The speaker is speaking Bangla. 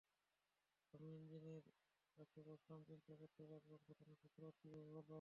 আমি ইঞ্জিনের কাছে বসলাম, চিন্তা করতে লাগলাম ঘটনার সূত্রপাত কীভাবে হলো।